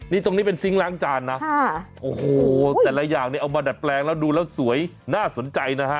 นี่ตรงนี้เป็นซิงค์ล้างจานนะโอ้โหแต่ละอย่างเนี่ยเอามาดัดแปลงแล้วดูแล้วสวยน่าสนใจนะฮะ